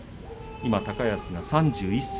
今、高安が３１歳。